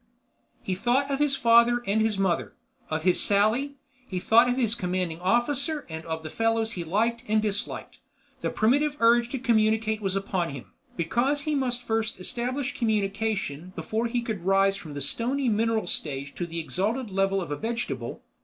He thought of his father and his mother; of his Sally. He thought of his commanding officer and of the fellows he liked and disliked. The primitive urge to communicate was upon him, because he must first establish communication before he could rise from the stony mineral stage to the exalted level of a vegetable.